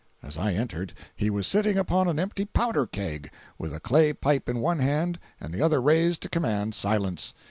As I entered, he was sitting upon an empty powder keg, with a clay pipe in one hand and the other raised to command silence.